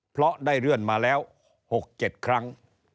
เพราะได้เลื่อนมาแล้ว๖๗ครั้ง